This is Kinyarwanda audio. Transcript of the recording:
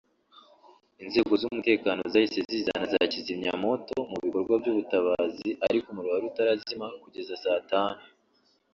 Inzego z’umutekano zahise zizana za kizimyamoto mu bikorwa by’ubutabazi ariko umuriro wari utarazima kugeza saa tanu